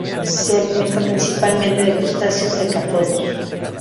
Se alimenta principalmente de crustáceos decápodos.